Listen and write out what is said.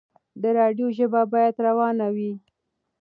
د راډيو ژبه بايد روانه وي.